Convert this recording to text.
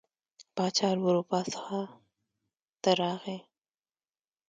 پاچا له اروپا څخه ته راغی.